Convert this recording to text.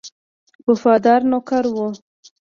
وفادار نوکر وو.